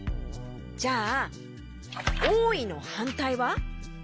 じゃあ「おおい」のはんたいは？